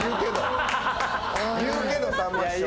言うけどさんま師匠。